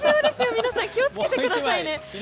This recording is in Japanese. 皆さん、気を付けてくださいね！